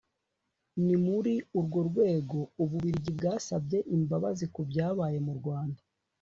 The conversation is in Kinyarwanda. ni muri urwo rwego u bubirigi bwasabye imbabazi ku byabaye mu rwanda